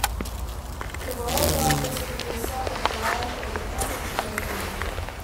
The world's largest producer of dried apricots is Turkey.